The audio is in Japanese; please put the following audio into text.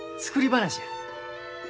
作り話や。